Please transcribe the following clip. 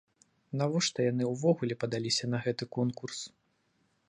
Навошта яны ўвогуле падаліся на гэты конкурс?